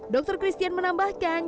dr christian menambahkan